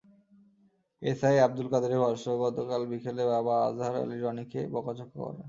SI Abdul কাদেরের ভাষ্য, গতকাল বিকেলে বাবা আজহার আলী রনিকে বকাঝকা করেন।